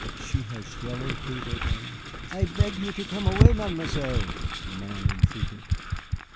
"She has yellow fever, then?" "I beg you to come away, Mademoiselle!" the man entreated.